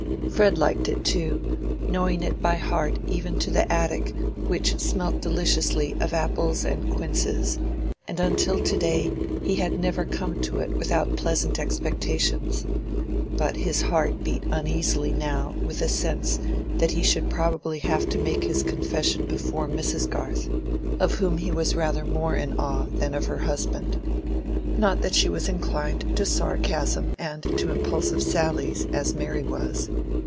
Fred liked it too, knowing it by heart even to the attic which smelt deliciously of apples and quinces, and until to day he had never come to it without pleasant expectations; but his heart beat uneasily now with the sense that he should probably have to make his confession before Mrs. Garth, of whom he was rather more in awe than of her husband. Not that she was inclined to sarcasm and to impulsive sallies, as Mary was.